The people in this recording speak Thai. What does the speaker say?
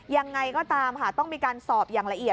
ยังไงก็ตามค่ะต้องมีการสอบอย่างละเอียด